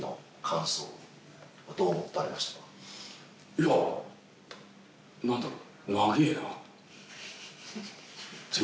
いやなんだろう。